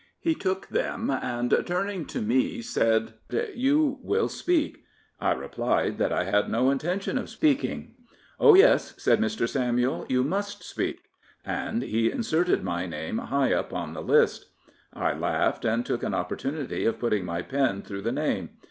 He took them, and, turning to me, said, " You will speak,'' I replied that I had no intention of speak ing. Oh yes," said Mr. Samuel, you must speak." And he inserted my name high up on the list. I laughed and took an opportunity of putting my pen through the name.